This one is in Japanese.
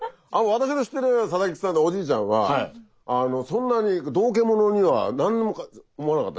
私の知っている貞吉さんっていうおじいちゃんはそんなに道化者には何にも思わなかった。